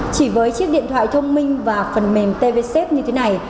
chỉ với chiếc điện thoại thông minh và phần mềm tvsap như thế này